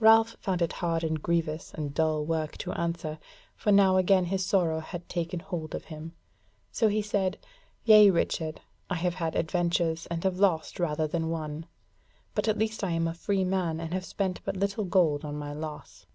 Ralph found it hard and grievous and dull work to answer; for now again his sorrow had taken hold of him: so he said: "Yea, Richard, I have had adventures, and have lost rather than won; but at least I am a free man, and have spent but little gold on my loss."